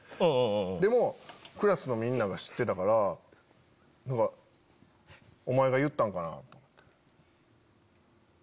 でもクラスのみんなが知ってたからお前が言ったんかなと思って。